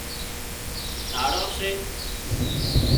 ناڙان سي